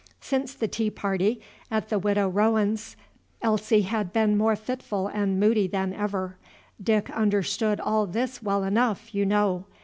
Since the tea party at the Widow Rowens's, Elsie had been more fitful and moody than ever. Dick understood all this well enough, you know.